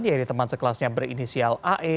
yaitu teman sekelasnya berinisial ae